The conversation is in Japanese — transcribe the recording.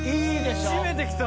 締めてきた。